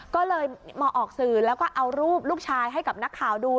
ก็เลยมาออกสื่อแล้วก็เอารูปลูกชายให้กับนักข่าวดู